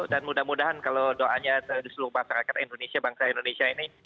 dan mudah mudahan kalau doanya di seluruh masyarakat indonesia bangsa indonesia ini